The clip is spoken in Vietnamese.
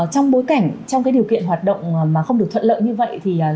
trong bối cảnh trong cái điều kiện hoạt động mà không được thuận lợi như vậy thì